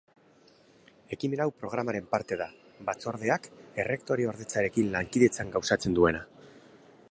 Ekimen hau programaren parte da, Batzordeak Errektoreordetzarekin lankidetzan gauzatzen duena.